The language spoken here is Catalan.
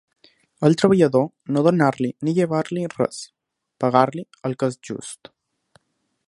Al treballador, no donar-li, ni llevar-li res; pagar-li el que és just.